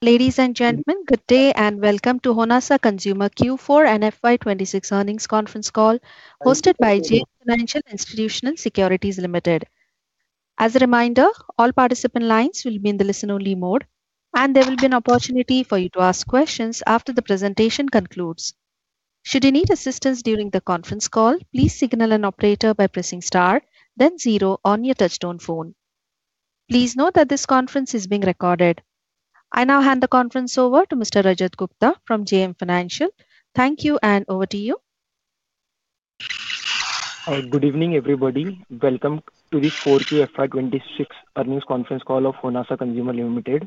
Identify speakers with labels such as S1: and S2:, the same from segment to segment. S1: Ladies and gentlemen, good day and welcome to Honasa Consumer Q4 and FY 2026 earnings conference call hosted by JM Financial Institutional Securities Limited. As a reminder, all participant lines will be in the listen-only mode, and there will be an opportunity for you to ask questions after the presentation concludes. Should you need assistance during the conference call, please signal an operator by pressing star then zero on your touchtone phone. Please note that this conference is being recorded. I now hand the conference over to Mr Rajat Gupta from JM Financial. Thank you. Over to you.
S2: Good evening, everybody. Welcome to the Q4 FY 2026 earnings conference call of Honasa Consumer Limited.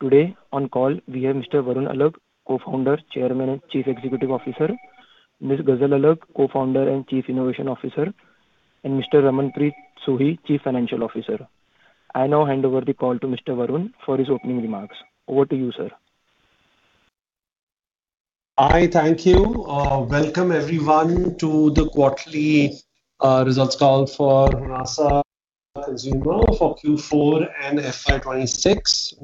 S2: Today on call we have Mr Varun Alagh, Co-founder, Chairman, and Chief Executive Officer; Ms Ghazal Alagh, Co-founder and Chief Innovation Officer; and Mr Raman Sohi, Chief Financial Officer. I now hand over the call to Mr Varun for his opening remarks. Over to you, sir.
S3: Hi. Thank you. Welcome, everyone, to the quarterly results call for Honasa Consumer for Q4 and FY 2026.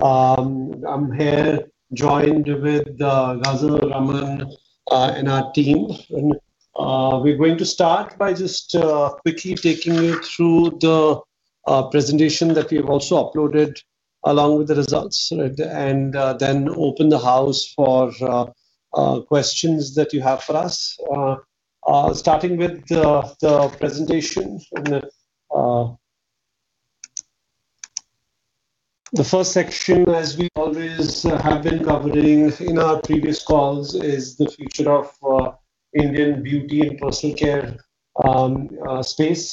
S3: I'm here joined with Ghazal Alagh, Raman, and our team. We're going to start by just quickly taking you through the presentation that we've also uploaded along with the results and then open the house for questions that you have for us. Starting with the presentation. The first section, as we always have been covering in our previous calls, is the future of Indian beauty and personal care space.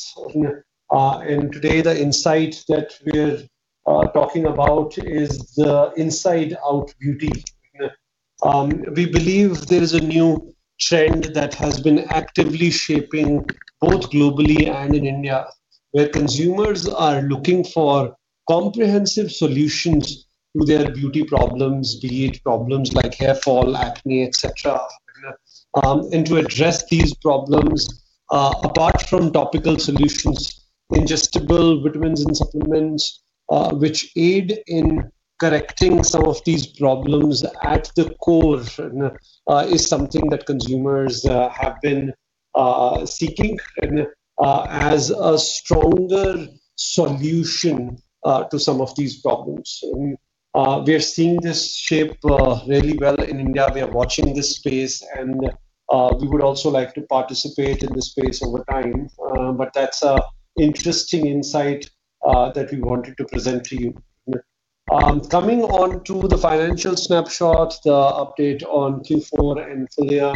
S3: Today the insight that we're talking about is the inside-out beauty. We believe there's a new trend that has been actively shaping both globally and in India, where consumers are looking for comprehensive solutions to their beauty problems, be it problems like hair fall, acne, et cetera. To address these problems, apart from topical solutions, ingestible vitamins and supplements, which aid in correcting some of these problems at the core is something that consumers have been seeking as a stronger solution to some of these problems. We are seeing this shape really well in India. We are watching this space and we would also like to participate in this space over time. That's an interesting insight that we wanted to present to you. Coming on to the financial snapshot, the update on Q4 and full year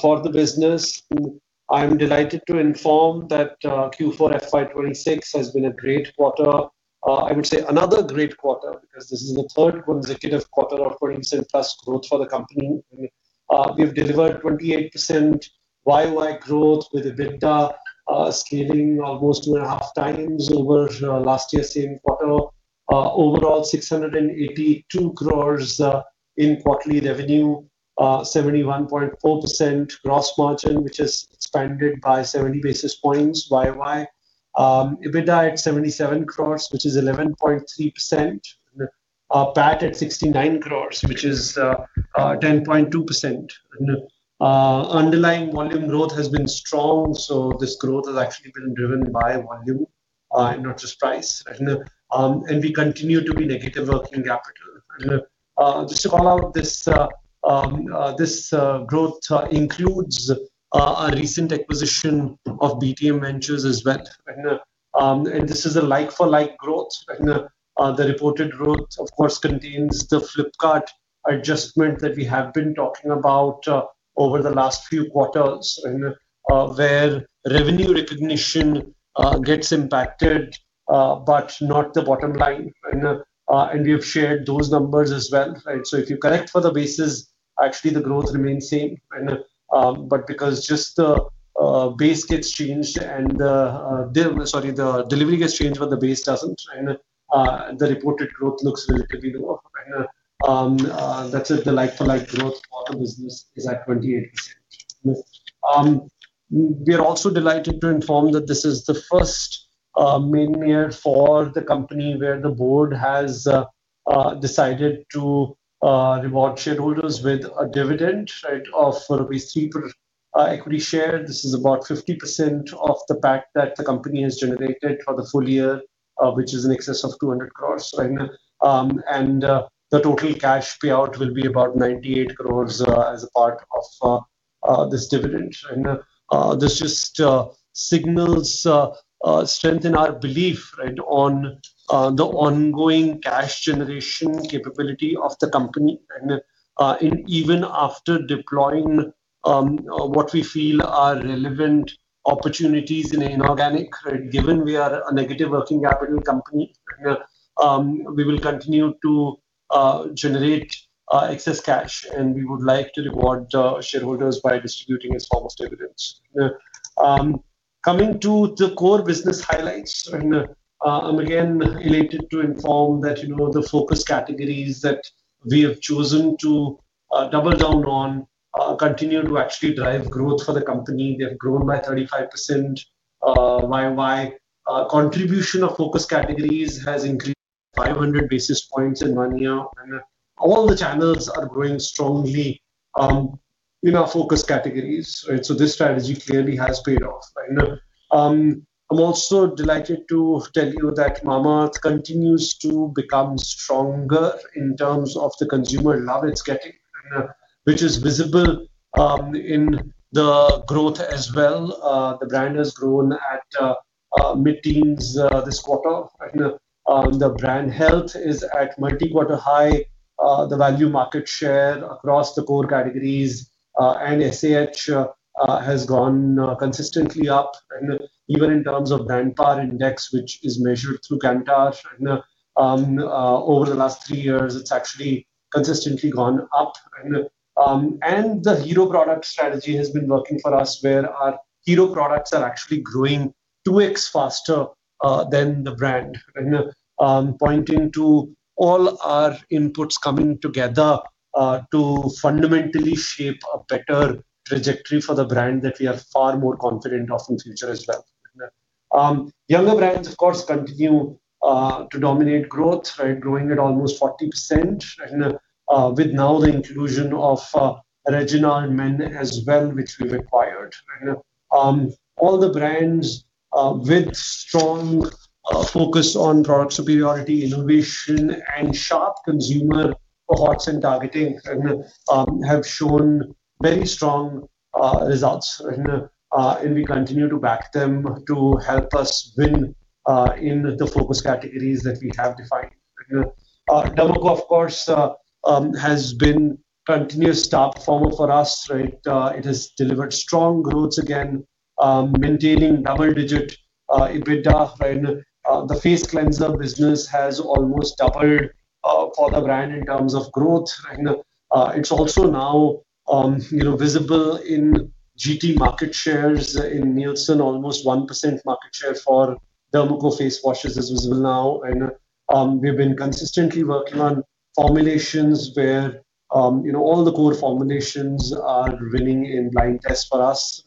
S3: for the business. I'm delighted to inform that Q4 FY 2026 has been a great quarter. I would say another great quarter because this is the third consecutive quarter of 20%+ growth for the company. We've delivered 28% YoY growth with EBITDA scaling almost two and a half times over last year's same quarter. Overall 682 crores in quarterly revenue, 71.4% gross margin, which has expanded by 70 basis points YoY. EBITDA at 77 crores, which is 11.3%. PAT at 69 crores, which is 10.2%. Underlying volume growth has been strong, this growth has actually been driven by volume, not just price. We continue to be negative working capital. Just to call out this growth includes our recent acquisition of BTM Ventures as well. This is a like-for-like growth. The reported growth, of course, contains the Flipkart adjustment that we have been talking about over the last few quarters where revenue recognition gets impacted, but not the bottom line. We have shared those numbers as well. If you correct for the basis, actually the growth remains same. Because just the base gets changed and sorry, the delivery gets changed, but the base doesn't, the reported growth looks relatively low. That said, the like-for-like growth for the business is at 28%. We are also delighted to inform that this is the first main year for the company where the board has decided to reward shareholders with a dividend of rupees 3 per equity share. This is about 50% of the PAT that the company has generated for the full year, which is in excess of 200 crores. The total cash payout will be about 98 crores as a part of this dividend. This just signals strength in our belief on the ongoing cash generation capability of the company even after deploying what we feel are relevant opportunities in inorganic. Given we are a negative working capital company, we will continue to generate excess cash, and we would like to reward shareholders by distributing as form of dividends. Coming to the core business highlights. I'm again elated to inform that the focus categories that we have chosen to double down on continue to actually drive growth for the company. They have grown by 35%. Our contribution of focus categories has increased 500 basis points in one year. All the channels are growing strongly in our focus categories. This strategy clearly has paid off. I'm also delighted to tell you that Mamaearth continues to become stronger in terms of the consumer love it's getting, which is visible in the growth as well. The brand has grown at mid-teens this quarter. The brand health is at multi-quarter high. The value market share across the core categories and SAH has gone consistently up, even in terms of Brand Power index, which is measured through Kantar. Over the last three years, it's actually consistently gone up. The hero product strategy has been working for us, where our hero products are actually growing two weeks faster than the brand. Pointing to all our inputs coming together to fundamentally shape a better trajectory for the brand that we are far more confident of in future as well. Younger brands, of course, continue to dominate growth. Growing at almost 40%, with now the inclusion of Reginald Men as well, which we've acquired. All the brands with strong focus on product superiority, innovation, and sharp consumer cohorts and targeting have shown very strong results. We continue to back them to help us win in the focus categories that we have defined. Derma Co of course, has been continuous top performer for us. It has delivered strong growth again, maintaining double-digit EBITDA. The face cleanser business has almost doubled for the brand in terms of growth. It's also now visible in GT market shares in Nielsen, almost 1% market share for Derma Co face washes is visible now. We've been consistently working on formulations where all the core formulations are winning in blind tests for us.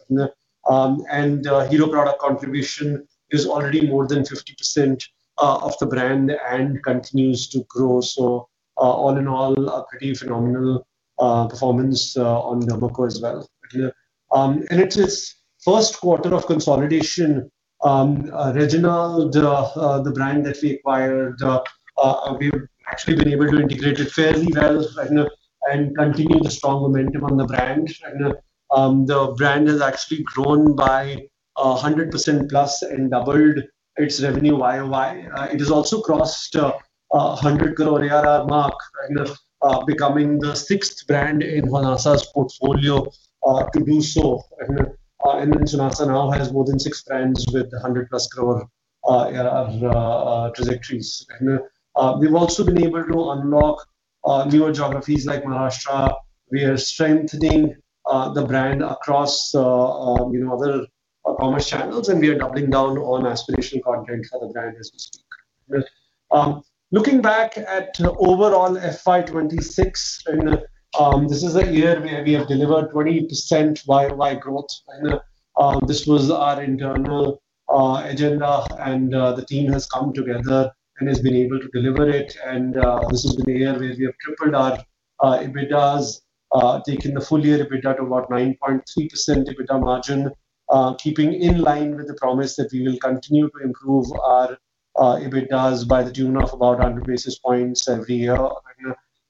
S3: Hero product contribution is already more than 50% of the brand and continues to grow. All in all, a pretty phenomenal performance on Derma Co as well. It's its first quarter of consolidation. Reginald, the brand that we acquired, we've actually been able to integrate it fairly well and continue the strong momentum on the brand. The brand has actually grown by 100%+ and doubled its revenue YoY. It has also crossed 100 crore ARR mark, becoming the sixth brand in Honasa's portfolio to do so. Honasa now has more than six brands with 100+ crore ARR trajectories. We've also been able to unlock newer geographies like Maharashtra. We are strengthening the brand across other commerce channels, and we are doubling down on aspirational content for the brand as we speak. Looking back at overall FY 2026, this is a year where we have delivered 20% YoY growth. This was our internal agenda, and the team has come together and has been able to deliver it. This has been a year where we have tripled our EBITDA, taking the full-year EBITDA to about 9.3% EBITDA margin, keeping in line with the promise that we will continue to improve our EBITDA by the tune of about 100 basis points every year.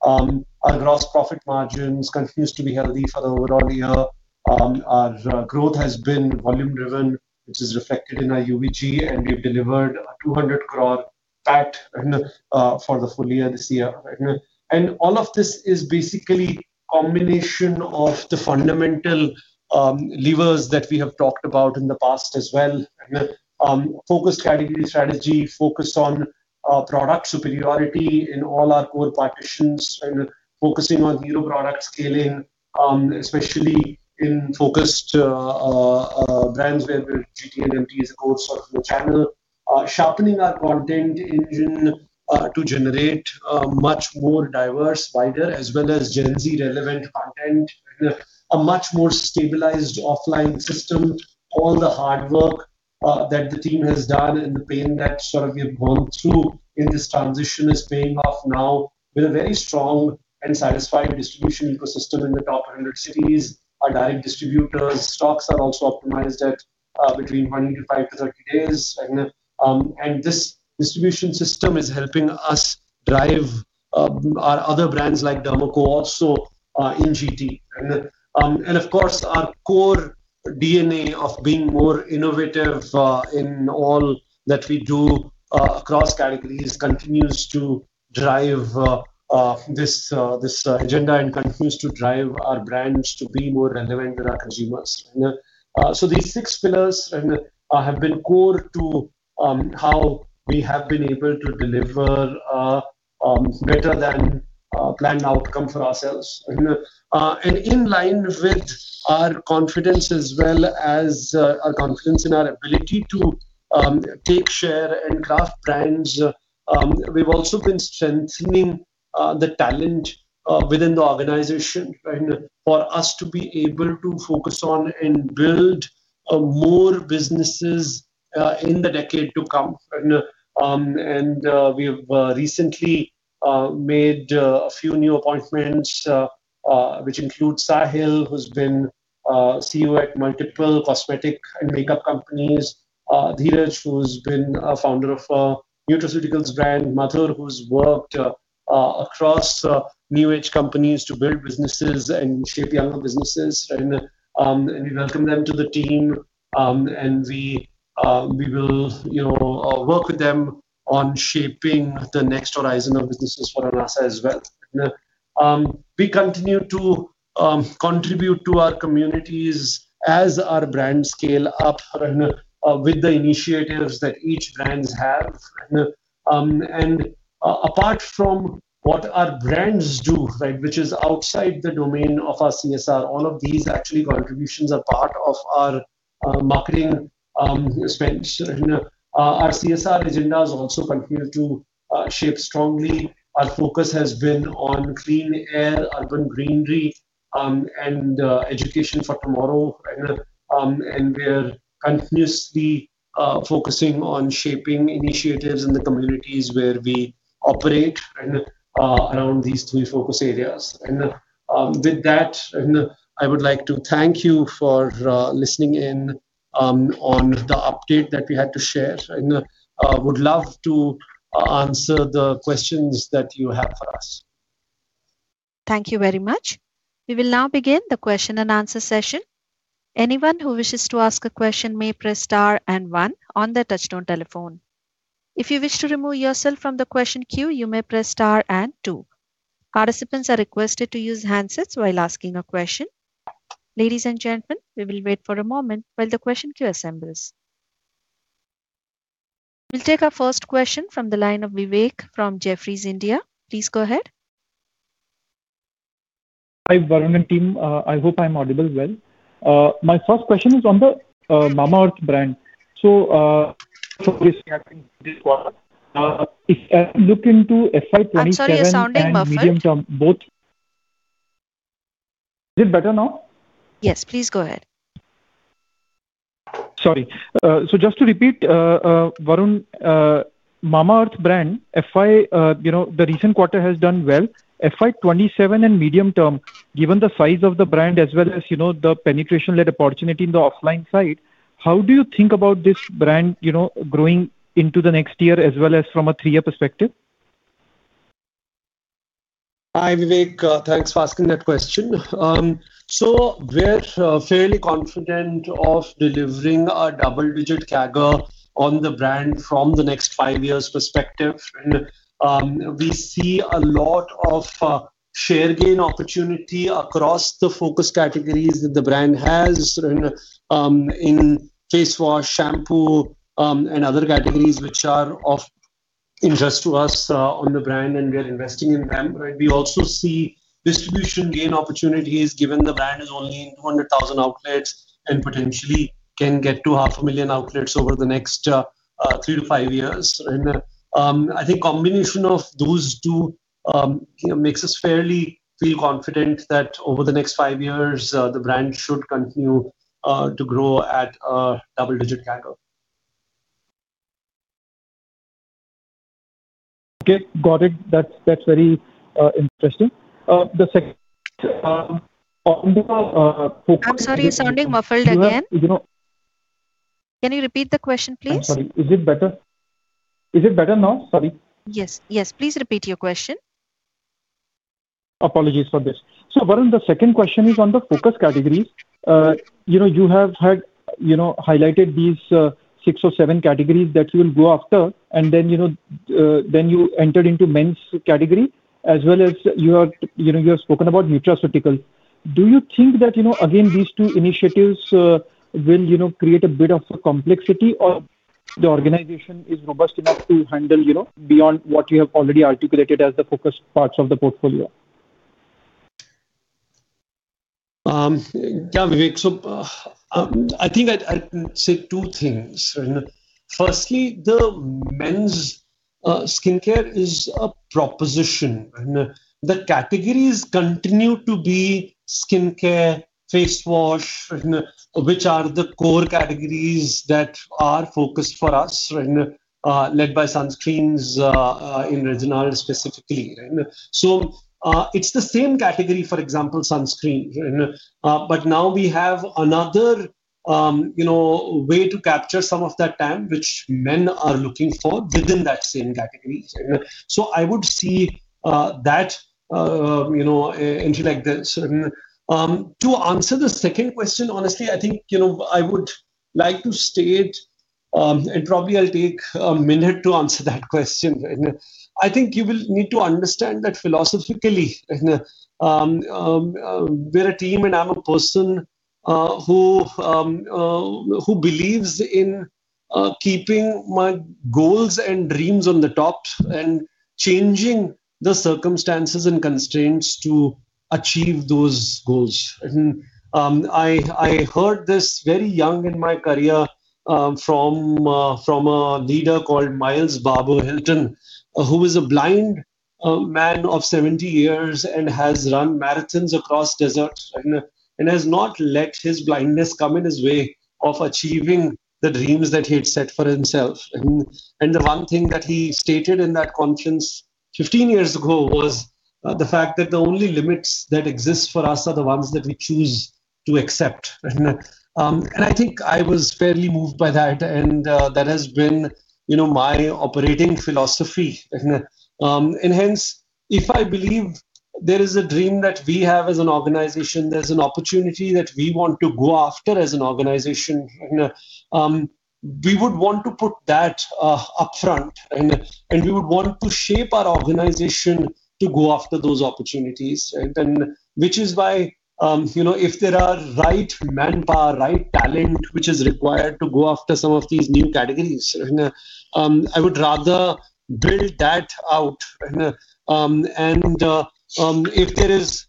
S3: Our gross profit margins continue to be healthy for the overall year. Our growth has been volume driven, which is reflected in our UVG, and we've delivered an 200 crore PAT for the full year this year. All of this is basically a combination of the fundamental levers that we have talked about in the past as well. Focused category strategy, focused on product superiority in all our core partitions, and focusing on hero product scaling, especially in focused brands where GT and MT is a core circle channel. Sharpening our content engine to generate a much more diverse, wider as well as Gen Z-relevant content. A much more stabilized offline system. All the hard work that the team has done and the pain that sort of we have gone through in this transition is paying off now with a very strong and satisfied distribution ecosystem in the top 100 cities. Our direct distributors' stocks are also optimized at between one to five to 30 days. This distribution system is helping us drive our other brands like Derma Co also in GT. Of course, our core DNA of being more innovative in all that we do across categories continues to drive this agenda and continues to drive our brands to be more relevant with our consumers. These six pillars have been core to how we have been able to deliver a better than planned outcome for ourselves. In line with our confidence as well as our confidence in our ability to take share and craft brands, we've also been strengthening the talent within the organization and for us to be able to focus on and build more businesses in the decade to come. We have recently made a few new appointments, which include Saahil, who's been CEO at multiple cosmetic and makeup companies, Dheeraj, who's been a founder of a nutraceuticals brand, Madhur, who's worked across new age companies to build businesses and shape young businesses. We welcome them to the team, and we will work with them on shaping the next horizon of businesses for Honasa as well. We continue to contribute to our communities as our brands scale up with the initiatives that each brands have. Apart from what our brands do, which is outside the domain of our CSR, all of these actually contributions are part of our marketing spends. Our CSR agendas also continue to shape strongly. Our focus has been on clean air, urban greenery, and education for tomorrow. We are continuously focusing on shaping initiatives in the communities where we operate and around these three focus areas. With that, I would like to thank you for listening in on the update that we had to share. Would love to answer the questions that you have for us.
S1: Thank you very much. We will now begin the question and answer session. Anyone who wishes to ask a question may press star and one on their touchtone telephone. If you wish to remove yourself from the question queue, you may press star and two. Participants are requested to use handsets while asking a question. Ladies and gentlemen, we will wait for a moment while the question queue assembles. We will take our first question from the line of Vivek from Jefferies India. Please go ahead.
S4: Hi, Varun and team. I hope I'm audible well. My first question is on the Mamaearth brand. This quarter, if I look into FY 2027 and medium term both-
S1: I'm sorry, you're sounding muffled.
S4: Is it better now?
S1: Yes, please go ahead.
S4: Sorry. Just to repeat, Varun, Mamaearth brand, the recent quarter has done well. FY 2027 and medium term, given the size of the brand as well as the penetration-led opportunity in the offline side, how do you think about this brand growing into the next year as well as from a three year perspective?
S3: Hi, Vivek. Thanks for asking that question. We're fairly confident of delivering a double-digit CAGR on the brand from the next five years perspective. We see a lot of share gain opportunity across the focus categories that the brand has in face wash, shampoo, and other categories which are of interest to us on the brand and we are investing in them. We also see distribution gain opportunities given the brand is only in 200,000 outlets and potentially can get to 500,000 outlets over the next three to five years. I think combination of those two makes us fairly feel confident that over the next five years, the brand should continue to grow at a double-digit CAGR.
S4: Okay, got it. That's very interesting.
S1: I'm sorry, you're sounding muffled again. Can you repeat the question, please?
S4: I'm sorry. Is it better? Is it better now? Sorry.
S1: Yes. Yes, please repeat your question.
S4: Apologies for this. Varun, the second question is on the focus categories. You have highlighted these six or seven categories that you will go after, and then you entered into men's category as well as you have spoken about nutraceutical. Do you think that, again, these two initiatives will create a bit of a complexity, or the organization is robust enough to handle beyond what you have already articulated as the focus parts of the portfolio?
S3: Vivek. I think I'd say two things. Firstly, the men's skincare is a proposition. The categories continue to be skincare, face wash, which are the core categories that are focused for us, led by sunscreens in Reginald specifically. It's the same category, for example, sunscreen. Now we have another way to capture some of that TAM, which men are looking for within that same category. I would see that interact this. To answer the second question, honestly, I think, I would like to state, and probably I'll take a minute to answer that question. I think you will need to understand that philosophically, we're a team and I'm a person who believes in keeping my goals and dreams on the top and changing the circumstances and constraints to achieve those goals. I heard this very young in my career. From a leader called Miles Hilton-Barber, who is a blind man of 70 years and has run marathons across deserts, and has not let his blindness come in his way of achieving the dreams that he had set for himself. The one thing that he stated in that conference 15 years ago was the fact that the only limits that exist for us are the ones that we choose to accept. I think I was fairly moved by that, and that has been my operating philosophy. Hence, if I believe there is a dream that we have as an organization, there's an opportunity that we want to go after as an organization, we would want to put that upfront and we would want to shape our organization to go after those opportunities. Which is why, if there are right manpower, right talent, which is required to go after some of these new categories, I would rather build that out. If there is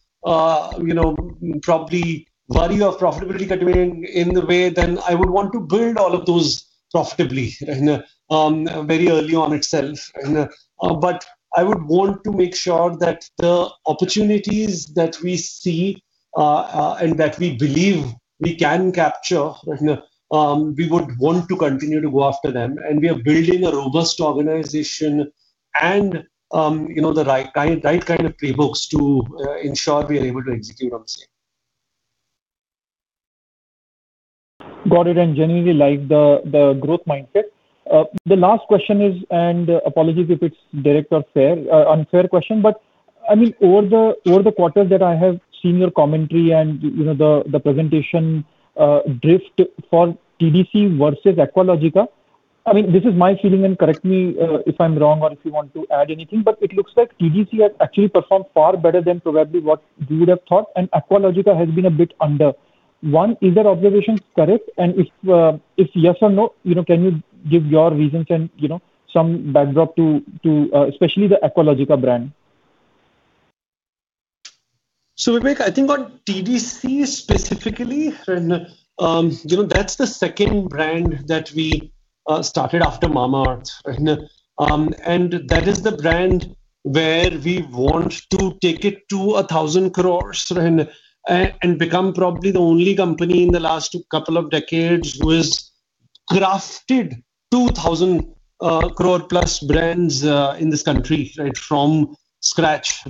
S3: probably worry of profitability cutting in the way, then I would want to build all of those profitably very early on itself. I would want to make sure that the opportunities that we see, and that we believe we can capture, we would want to continue to go after them. We are building a robust organization and the right kind of playbooks to ensure we are able to execute on the same.
S4: Got it, generally like the growth mindset. The last question is, apologies if it's direct or unfair question, over the quarters that I have seen your commentary and the presentation, drift for TDC versus Aqualogica. This is my feeling, correct me if I'm wrong or if you want to add anything, it looks like TDC has actually performed far better than probably what we would have thought, Aqualogica has been a bit under. One, is that observation correct? If yes or no, can you give your reasons and some backdrop to especially the Aqualogica brand?
S3: Vivek, I think on TDC specifically, that's the second brand that we started after Mamaearth. That is the brand where we want to take it to 1,000 crore and become probably the only company in the last couple of decades who has crafted 2,000+ crore brands in this country from scratch.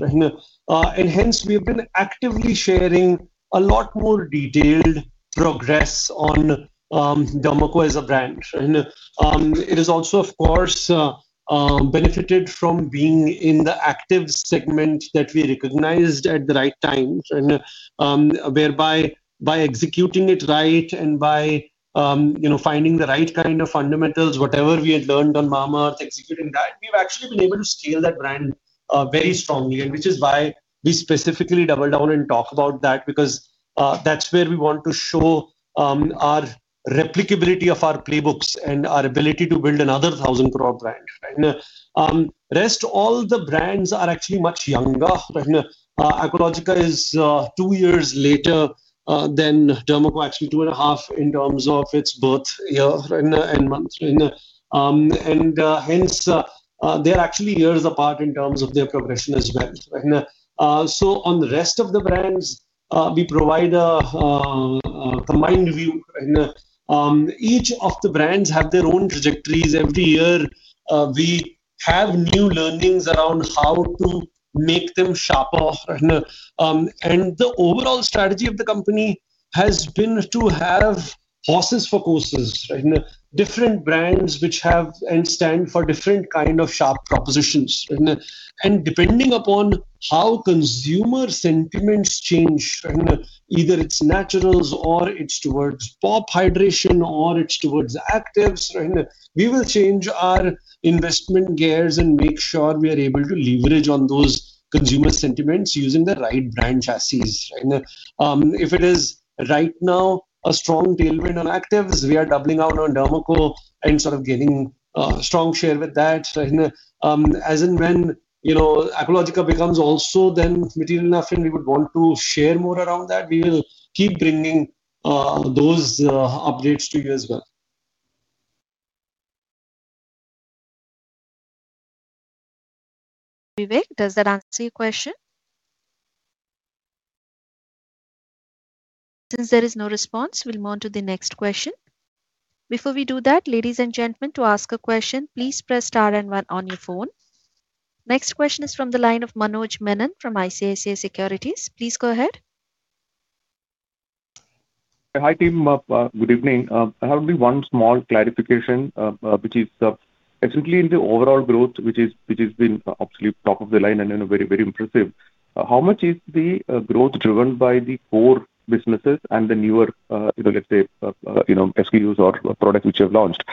S3: Hence, we have been actively sharing a lot more detailed progress on Derma Co as a brand. It is also, of course, benefited from being in the active segment that we recognized at the right time and, whereby by executing it right and by finding the right kind of fundamentals, whatever we had learned on Mamaearth, executing that, we've actually been able to scale that brand very strongly. Which is why we specifically double down and talk about that because that's where we want to show our replicability of our playbooks and our ability to build another 1,000 crore brand. Rest, all the brands are actually much younger. Aqualogica is two years later than Derma Co, actually two and a half in terms of its birth year and months. Hence, they're actually years apart in terms of their progression as well. On the rest of the brands, we provide a combined view. Each of the brands have their own trajectories. Every year, we have new learnings around how to make them sharper. The overall strategy of the company has been to have horses for courses. Different brands which have and stand for different kind of sharp propositions. Depending upon how consumer sentiments change, either it's naturals or it's towards pop hydration or it's towards actives, we will change our investment gears and make sure we are able to leverage on those consumer sentiments using the right brand chassis. If it is right now a strong tailwind on actives, we are doubling down on Derma Co and sort of gaining a strong share with that. As and when Aqualogica becomes also then material enough, and we would want to share more around that, we will keep bringing those updates to you as well.
S1: Vivek, does that answer your question? Since there is no response, we'll move on to the next question. Before we do that, ladies and gentlemen, to ask a question, please press star and one on your phone. Next question is from the line of Manoj Menon from ICICI Securities. Please go ahead.
S5: Hi, team. Good evening. I have only one small clarification, which is essentially in the overall growth which has been absolutely top of the line and very impressive. How much is the growth driven by the core businesses and the newer, let's say, SKUs or products which you have launched?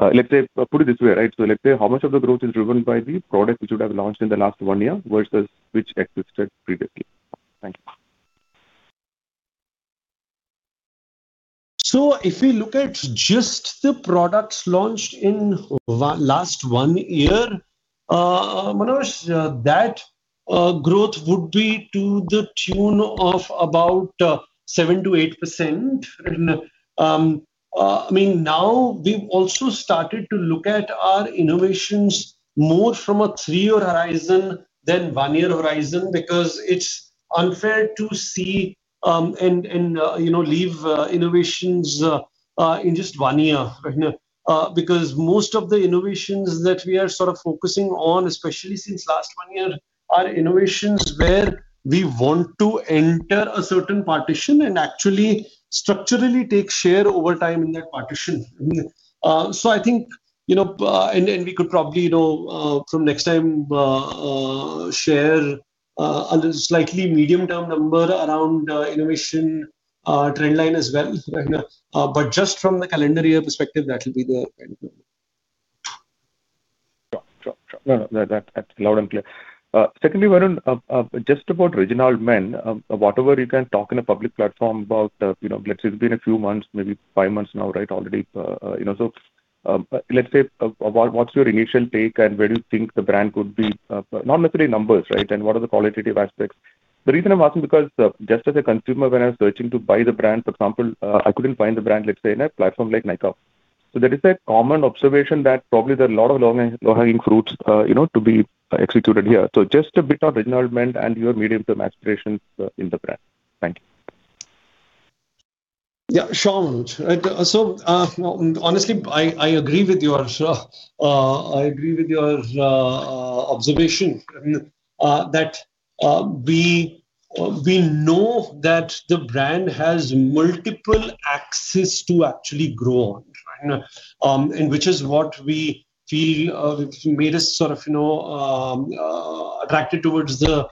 S5: Let's say, put it this way, right? Let's say, how much of the growth is driven by the products which you'd have launched in the last one year versus which existed previously? Thank you.
S3: If we look at just the products launched in last one year, Manoj Menon, that growth would be to the tune of about 7%-8%. We've also started to look at our innovations more from a three year horizon than one year horizon, because it's unfair to see and leave innovations in just one year. Most of the innovations that we are sort of focusing on, especially since last one year, are innovations where we want to enter a certain partition and actually structurally take share over time in that partition. We could probably, from next time, share a slightly medium-term number around innovation trend line as well. Just from the calendar year perspective, that will be the end.
S5: Sure. That's loud and clear. Secondly, Varun, just about Reginald Men, whatever you can talk in a public platform about, let's say it's been a few months, maybe five months now, right? Let's say, what's your initial take, and where do you think the brand could be? Not necessarily numbers, right? What are the qualitative aspects? The reason I'm asking because, just as a consumer, when I was searching to buy the brand, for example, I couldn't find the brand, let's say, in a platform like Nykaa. There is a common observation that probably there are a lot of low-hanging fruits to be executed here. Just a bit of Reginald brand and your medium-term aspirations in the brand. Thank you.
S3: Yeah, sure. Honestly, I agree with your observation. We know that the brand has multiple axes to actually grow on. Which is what we feel made us sort of attracted towards the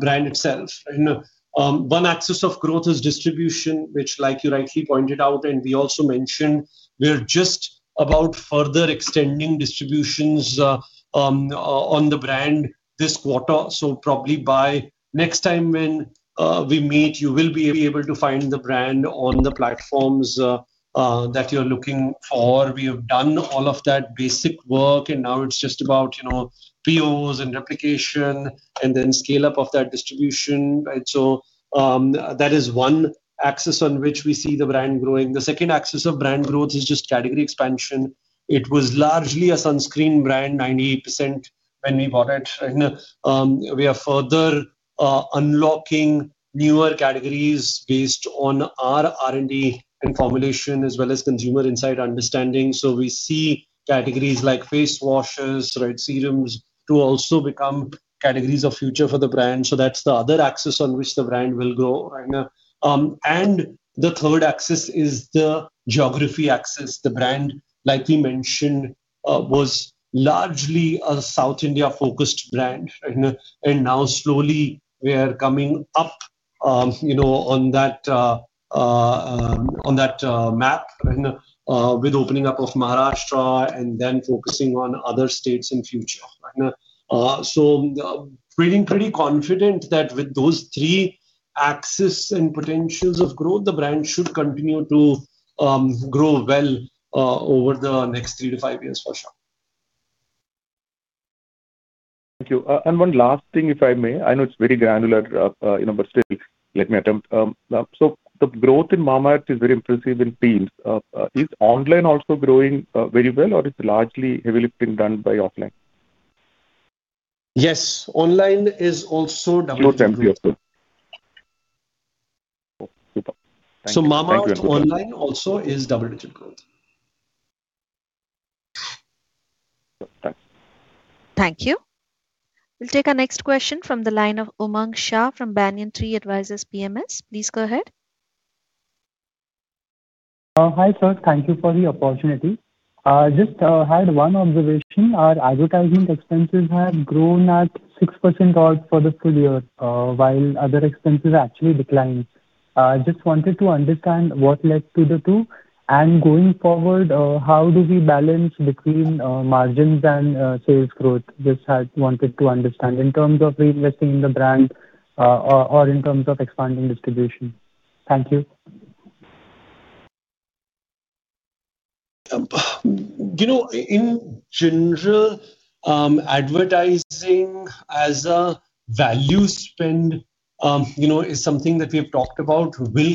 S3: brand itself. One axis of growth is distribution, which you rightly pointed out, and we also mentioned, we are just about further extending distributions on the brand this quarter. Probably by next time when we meet, you will be able to find the brand on the platforms that you are looking for. We have done all of that basic work, and now it is just about POs and replication and then scale-up of that distribution. That is one axis on which we see the brand growing. The second axis of brand growth is just category expansion. It was largely a sunscreen brand, 98% when we bought it. We are further unlocking newer categories based on our R&D and formulation as well as consumer insight understanding. We see categories like face washes, serums, to also become categories of future for the brand. That's the other axis on which the brand will grow. The third axis is the geography axis. The brand, like we mentioned, was largely a South India-focused brand. Now slowly we are coming up on that map with opening up of Maharashtra and then focusing on other states in future. Feeling pretty confident that with those three axes and potentials of growth, the brand should continue to grow well over the next three to five years, for sure.
S5: Thank you. One last thing, if I may. I know it's very granular, but still, let me attempt. The growth in Mamaearth is very impressive in themes. Is online also growing very well, or it's largely heavily been done by offline?
S3: Yes, online is also double-.
S5: Close MP also. Super. Thank you.
S3: Mamaearth online also is double-digit growth.
S5: Okay. Thanks.
S1: Thank you. We'll take our next question from the line of Umang Shah from Banyan Tree Advisors PMS. Please go ahead.
S6: Hi, folks. Thank you for the opportunity. Just had one observation. Our advertising expenses have grown at 6% odd for the full year, while other expenses actually declined. Just wanted to understand what led to the two, and going forward, how do we balance between margins and sales growth? Just had wanted to understand in terms of reinvesting in the brand or in terms of expanding distribution. Thank you.
S3: In general advertising as a value spend is something we talk will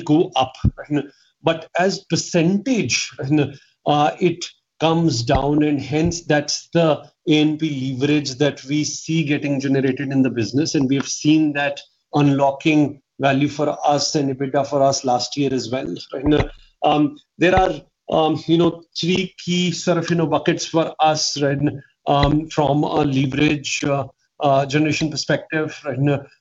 S3: go up but as percentage, it comes down and hence that's the NP leverage that we see getting generated in the business, and we have seen that unlocking value for us and EBITDA for us last year as well. There are three key sort of buckets for us from a leverage generation perspective.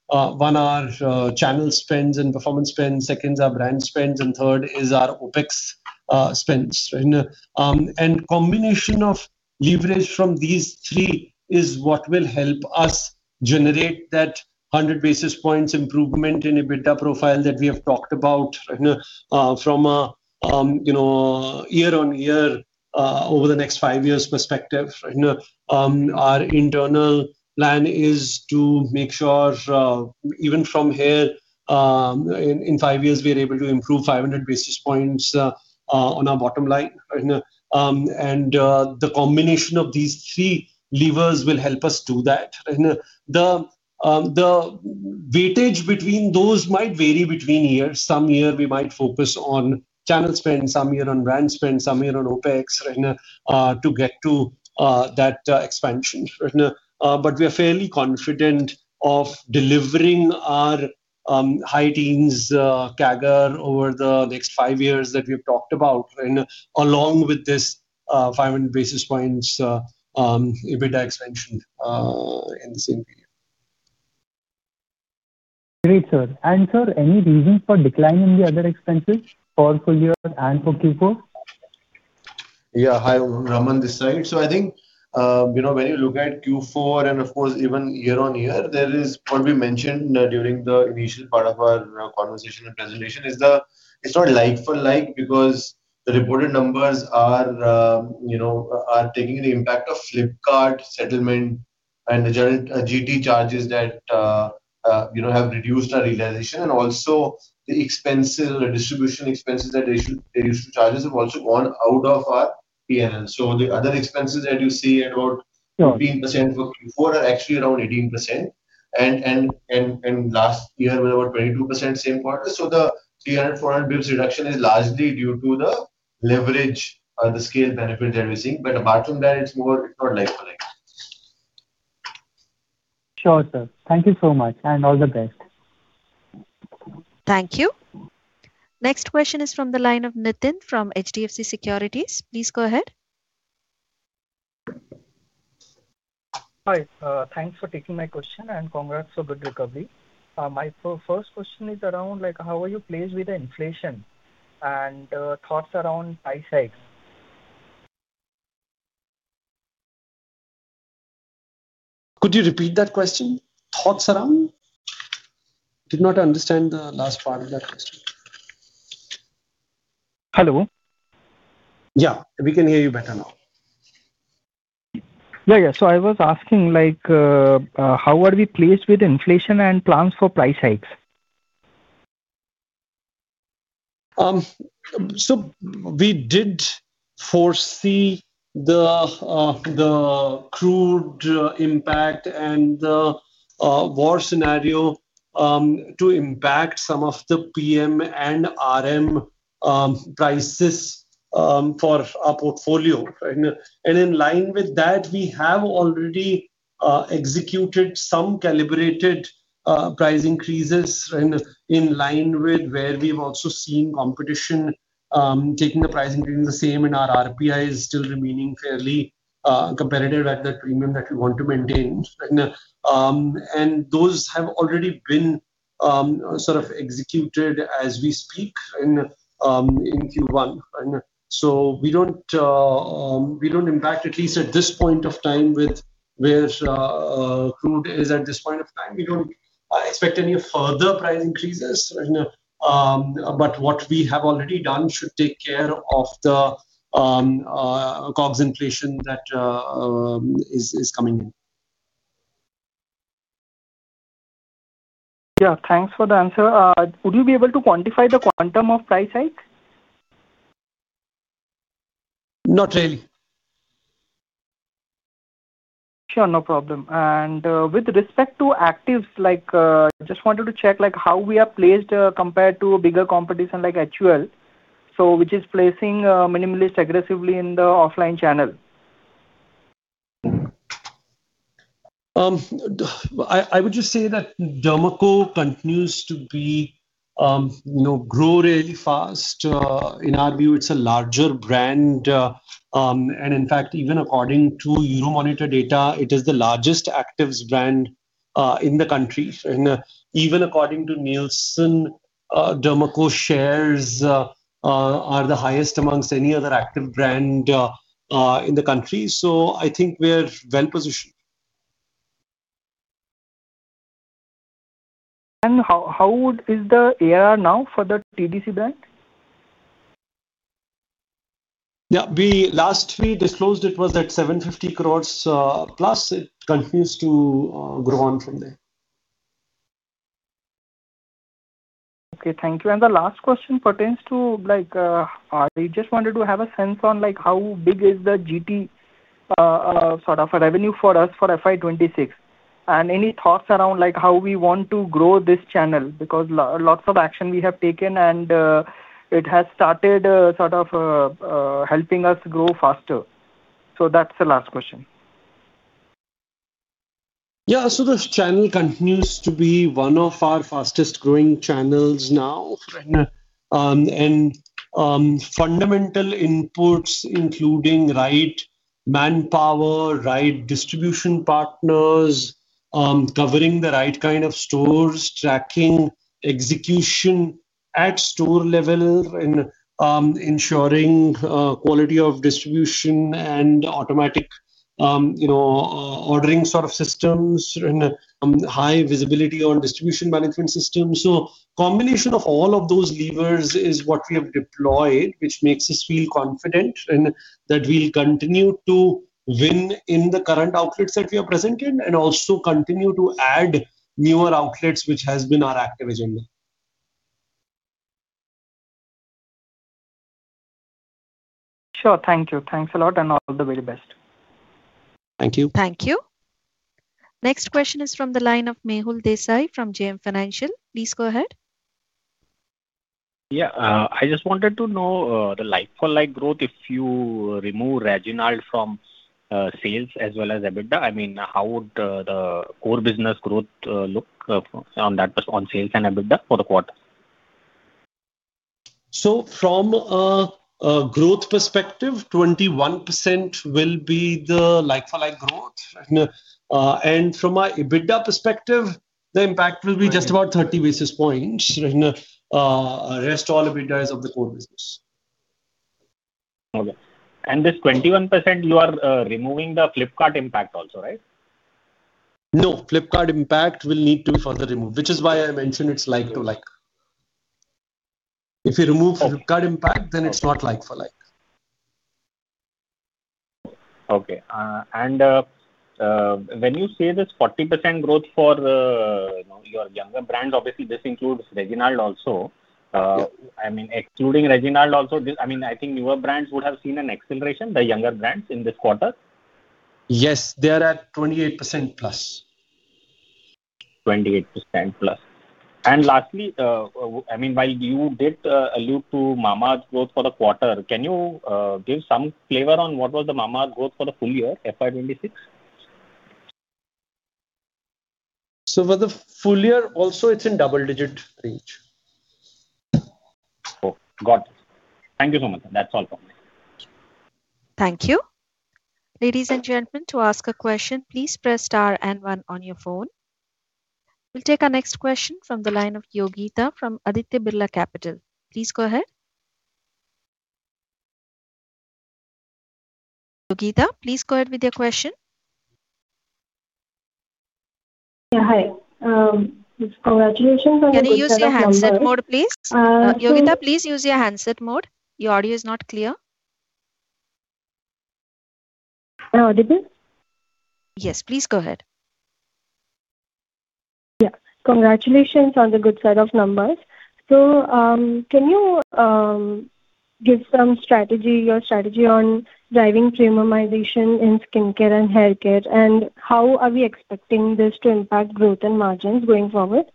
S3: One, our channel spends and performance spends, second, our brand spends, and third is our OpEx spends. Combination of leverage from these three is what will help us generate that 100 basis points improvement in EBITDA profile that we have talked about from a year-on-year over the next five years perspective. Our internal plan is to make sure, even from here, in five years, we are able to improve 500 basis points on our bottom line. The combination of these three levers will help us do that. The weightage between those might vary between years. Some year we might focus on channel spend, some year on brand spend, some year on OpEx to get to that expansion. We are fairly confident of delivering our high-teens CAGR over the next five years that we've talked about, along with this 500 basis points EBITDA expansion in the same period.
S6: Great, sir. Sir, any reason for decline in the other expenses for full year and for Q4?
S7: Yeah. Hi, Raman this side. I think when you look at Q4 and of course even year-on-year, there is what we mentioned during the initial part of our conversation and presentation is it's not like for like because the reported numbers are taking the impact of Flipkart settlement and the GT charges that have reduced our realization and also the distribution expenses that they are used to charges have also gone out of our P&L. The other expenses that you see are-
S6: Yeah.
S7: 15% for Q4 are actually around 18%, and last year were about 22% same quarter. The 300-400 base reduction is largely due to the leverage or the scale benefit that we're seeing. Apart from that, it's more like for like.
S6: Sure, sir. Thank you so much, and all the best.
S1: Thank you. Next question is from the line of Nitin from HDFC Securities. Please go ahead.
S8: Hi. Thanks for taking my question and congrats for good recovery. My first question is around how are you placed with the inflation and thoughts around price hikes?
S3: Could you repeat that question? Thoughts around? Did not understand the last part of that question.
S8: Hello.
S3: Yeah, we can hear you better now.
S8: Yeah. I was asking, how are we placed with inflation and plans for price hikes?
S3: We did foresee the crude impact and the war scenario to impact some of the PM and RM prices for our portfolio. In line with that, we have already executed some calibrated price increases in line with where we've also seen competition taking a price increase the same and our RPI is still remaining fairly competitive at the premium that we want to maintain. Those have already been sort of executed as we speak in Q1. We don't impact, at least at this point of time with where crude is at this point of time. We don't expect any further price increases. What we have already done should take care of the COGS inflation that is coming in.
S8: Yeah, thanks for the answer. Would you be able to quantify the quantum of price hike?
S3: Not really.
S8: Sure. No problem. With respect to actives, just wanted to check how we are placed compared to bigger competition like HUL, which is placing minimally aggressively in the offline channel.
S3: I would just say that Derma Co continues to grow really fast. In our view, it's a larger brand, and in fact, even according to Euromonitor data, it is the largest actives brand in the country. Even according to Nielsen, Derma Co shares are the highest amongst any other active brand in the country. I think we're well-positioned.
S8: How is the ARR now for the TDC brand?
S3: Yeah. Last we disclosed it was at 750+ crores. It continues to grow on from there.
S8: Okay, thank you. The last question pertains to, I just wanted to have a sense on how big is the GT revenue for us for FY 2026? Any thoughts around how we want to grow this channel? Because lots of action we have taken, and it has started helping us grow faster. That's the last question.
S3: Yeah. This channel continues to be one of our fastest-growing channels now. Fundamental inputs including right manpower, right distribution partners, covering the right kind of stores, tracking execution at store level, ensuring quality of distribution and automatic ordering sort of systems, high visibility on distribution management systems. Combination of all of those levers is what we have deployed, which makes us feel confident that we'll continue to win in the current outlets that we are present in and also continue to add newer outlets, which has been our active agenda.
S8: Sure. Thank you. Thanks a lot and all the very best.
S3: Thank you.
S1: Thank you. Next question is from the line of Mehul Desai from JM Financial. Please go ahead.
S9: Yeah. I just wanted to know the like-for-like growth if you remove Reginald from sales as well as EBITDA. How would the core business growth look on sales and EBITDA for the quarter?
S3: From a growth perspective, 21% will be the like-for-like growth. From a EBITDA perspective, the impact will be just about 30 basis points. Rest all EBITDA is of the core business.
S9: Okay. This 21%, you are removing the Flipkart impact also, right?
S3: No. Flipkart impact will need to be further removed, which is why I mentioned it's like-to-like. If you remove Flipkart impact, then it's not like-for-like.
S9: Okay. When you say this 40% growth for your younger brand, obviously this includes Reginald also.
S3: Yeah.
S9: Including Reginald also, I think newer brands would have seen an acceleration, the younger brands, in this quarter?
S3: Yes. They are at 28%+.
S9: 28%+. Lastly, while you did allude to Mamaearth growth for the quarter, can you give some flavor on what was the Mamaearth growth for the full year, FY 2026?
S3: For the full year also, it's in double-digit range.
S9: Oh, got it. Thank you so much. That's all from me.
S1: Thank you. Ladies and gentlemen. We'll take our next question from the line of Yogita K from Aditya Birla Capital. Please go ahead. Yogita, please go ahead with your question.
S10: Yeah, hi. Congratulations on the good set of numbers.
S1: Can you use your handset mode, please? Yogita, please use your handset mode. Your audio is not clear.
S10: Am I audible?
S1: Yes. Please go ahead.
S10: Yeah. Congratulations on the good set of numbers. Can you give your strategy on driving premiumization in skincare and haircare, and how are we expecting this to impact growth and margins going forward?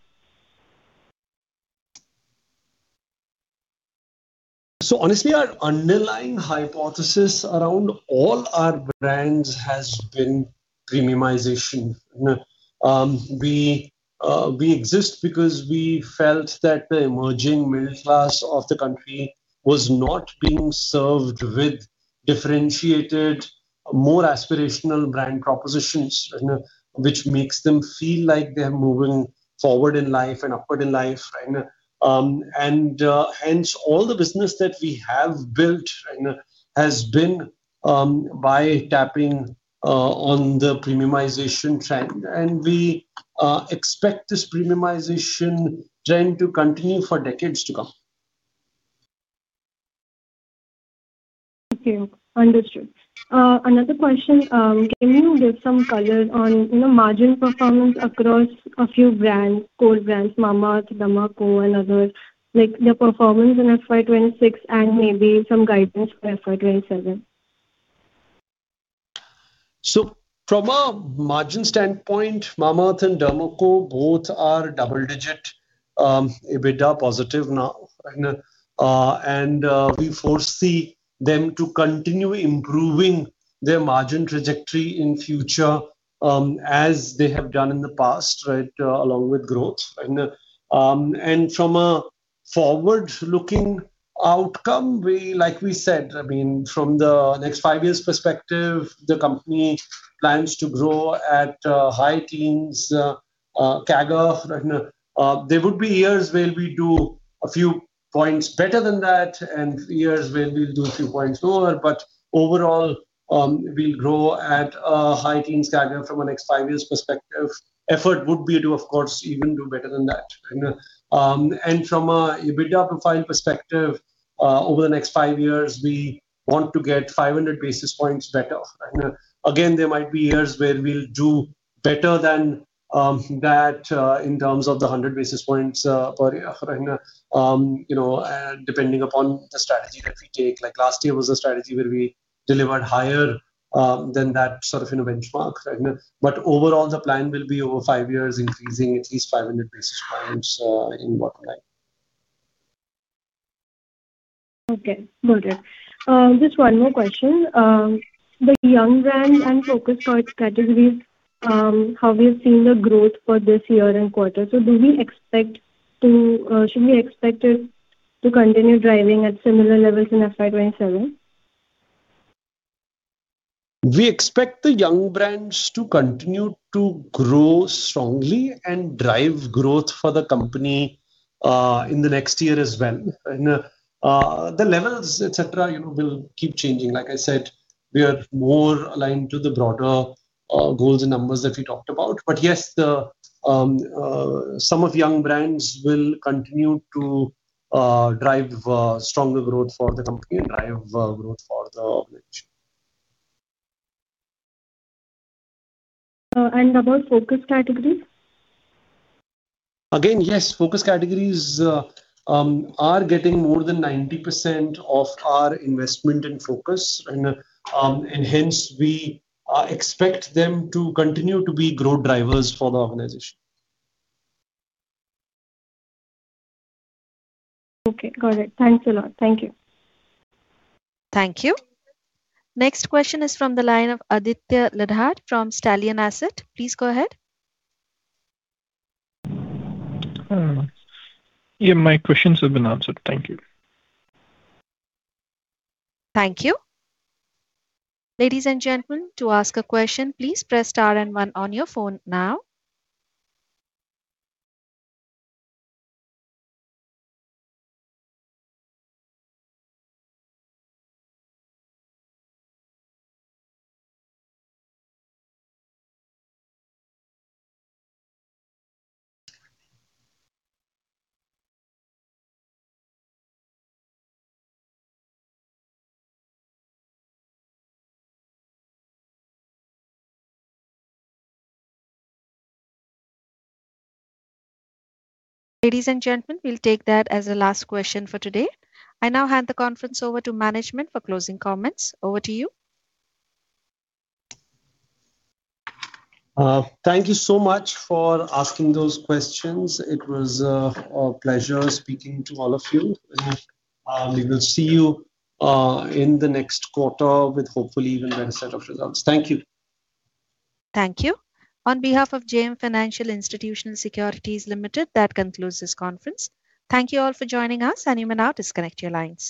S3: Honestly, our underlying hypothesis around all our brands has been premiumization. We exist because we felt that the emerging middle class of the country was not being served with differentiated, more aspirational brand propositions, which makes them feel like they're moving forward in life and upward in life. Hence, all the business that we have built has been by tapping on the premiumization trend. We expect this premiumization trend to continue for decades to come.
S10: Okay. Understood. Another question. Can you give some color on margin performance across a few core brands, Mamaearth, Derma Co, and others, their performance in FY 2026 and maybe some guidance for FY 2027?
S3: From a margin standpoint, Mamaearth and Derma Co both are double-digit EBITDA positive now. We foresee them to continue improving their margin trajectory in future, as they have done in the past, right, along with growth. From a forward-looking outcome, like we said, from the next five years perspective, the company plans to grow at high-teens CAGR. There would be years where we do a few points better than that and years where we'll do a few points lower. Overall, we'll grow at a high teens CAGR from a next five years perspective. Effort would be to, of course, even do better than that. From an EBITDA profile perspective, over the next five years, we want to get 500 basis points better. Again, there might be years where we'll do better than that in terms of the 100 basis points per year. Depending upon the strategy that we take. Last year was a strategy where we delivered higher than that sort of benchmark. Overall, the plan will be over five years increasing at least 500 basis points in bottom line.
S10: Okay. Got it. Just one more question. The young brand and focus on its categories, how we've seen the growth for this year and quarter. Should we expect it to continue driving at similar levels in FY 2027?
S3: We expect the young brands to continue to grow strongly and drive growth for the company in the next year as well. The levels, et cetera, will keep changing. Like I said, we are more aligned to the broader goals and numbers that we talked about. Yes, some of young brands will continue to drive stronger growth for the company and drive growth for the organization.
S10: About focus categories?
S3: Again, yes, focus categories are getting more than 90% of our investment and focus. Hence, we expect them to continue to be growth drivers for the organization.
S10: Okay, got it. Thanks a lot. Thank you.
S1: Thank you. Next question is from the line of Aditya Ladha from Stallion Asset. Please go ahead.
S11: Yeah, my questions have been answered. Thank you.
S1: Thank you. Ladies and gentlemen, to ask a question, please press star and one on your phone now. Ladies and gentlemen, we will take that as the last question for today. I now hand the conference over to management for closing comments. Over to you.
S3: Thank you so much for asking those questions. It was a pleasure speaking to all of you. We will see you in the next quarter with hopefully even better set of results. Thank you.
S1: Thank you. On behalf of JM Financial Institutional Securities Limited, that concludes this conference. Thank you all for joining us and you may now disconnect your lines.